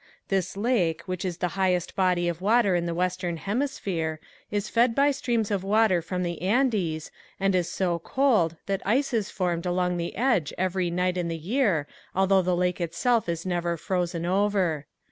This lake, which is the highest body of water in the western hemisphere, is fed by streams of water from the Andes and is so cold that ice is formed along the edge every night in the year although the lake itself is never frozen over.